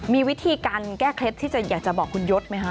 มีวิธีการแก้เคล็ดที่จะอยากจะบอกคุณยศไหมคะ